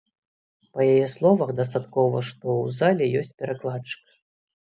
Па яе словах, дастаткова, што ў зале ёсць перакладчык.